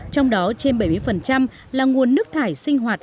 trong đó trên bảy mươi là nguồn nước thải sinh hoạt